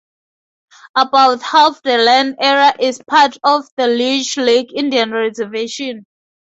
About half the land area is part of the Leech Lake Indian Reservation.